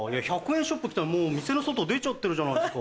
１００円ショップ来たらもう店の外出ちゃってるじゃないですか。